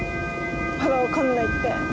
まだ分かんないって。